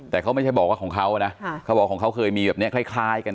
แต่เขาไม่ใช่บอกว่าของเขานะเขาบอกของเขาเคยมีแบบนี้คล้ายกัน